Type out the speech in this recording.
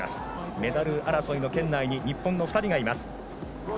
メダル争いの圏内に日本の２人がいます。